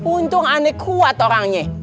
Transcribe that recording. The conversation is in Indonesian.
untung aneh kuat orangnya